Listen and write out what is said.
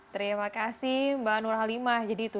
terima kasih mbak nur halimah jadi itu